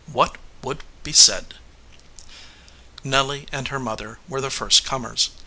What would be said ? Nelly and her mother were the first comers.